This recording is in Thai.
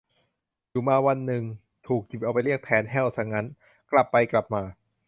อยู่มาวันนึง ถูกหยิบเอาไปเรียกแทน แห้ว ซะงั้น กลับไปกลับมา